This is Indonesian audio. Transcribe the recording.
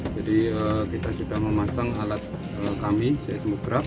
jadi kita sudah memasang alat kami seismograf